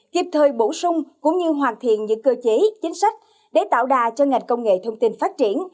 kịp thời bổ sung cũng như hoàn thiện những cơ chế chính sách để tạo đà cho ngành công nghệ thông tin phát triển